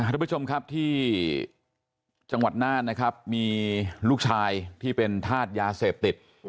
ทุกผู้ชมครับที่จังหวัดน่านนะครับมีลูกชายที่เป็นธาตุยาเสพติด